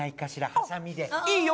ハサミでいいよ